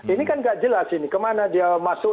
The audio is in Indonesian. ini kan gak jelas ini kemana dia masuk